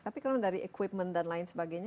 tapi kalau dari equipment dan lain sebagainya